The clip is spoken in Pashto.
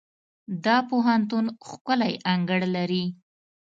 دا پوهنتون ښکلی انګړ لري.